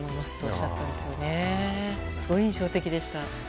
すごい印象的でした。